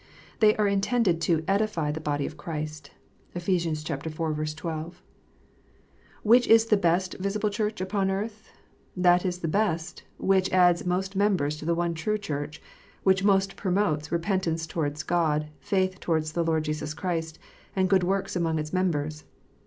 They are intended to "edify the body of Christ." (Ephes. iv. 12.) Which is the best visible Church upon earth 1 That is the best, which adds most members to the one true Church, which most promotes "repentance towards God, faith towards the Lord Jesus Christ," and good works among its members.